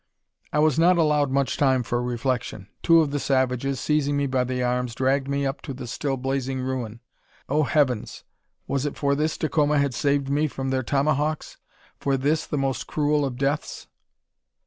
I was not allowed much time for reflection. Two of the savages, seizing me by the arms, dragged me up to the still blazing ruin. On, heavens! was it for this Dacoma had saved me from their tomahawks? for this, the most cruel of deaths!